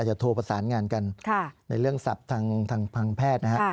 จะโทรประสานงานกันในเรื่องศัพท์ทางแพทย์นะฮะ